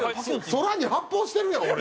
空に発砲してるやん俺。